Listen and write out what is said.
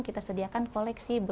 kita sediakan koleksi